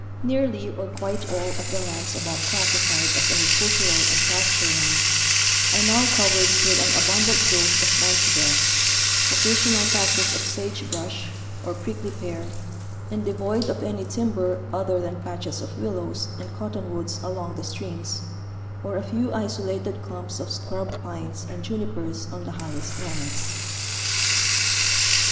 Nearly, or quite all, of the lands above classified as agricultural and pasture lands, are now covered with an abundant growth of bunch grass, occasional patches of sage brush or prickly pear, and devoid of any timber other than patches of willows and cot tonwoods along the streams, or a few isolated clumps of scrub pines and junipers on the highest lands.